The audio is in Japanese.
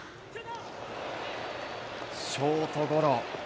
ショートゴロ。